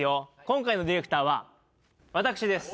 今回のディレクターは私です